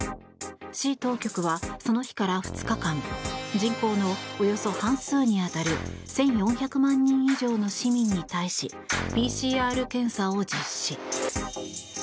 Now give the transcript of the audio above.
市当局はその日から２日間人口のおよそ半数に当たる１４００万人以上の市民に対しＰＣＲ検査を実施。